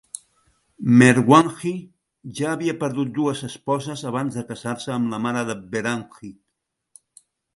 Merwanji ja havia perdut dues esposes abans de casar-se amb la mare de Behramji.